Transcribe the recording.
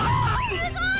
すごい！